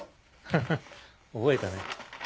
ハハ覚えたね。